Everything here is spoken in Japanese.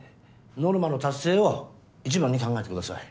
ノルマの達成を一番に考えてください。